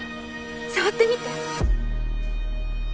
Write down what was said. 触ってみて！